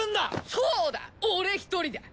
そうだ俺一人だ！